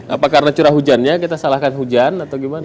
apa karena curah hujannya kita salahkan hujan atau gimana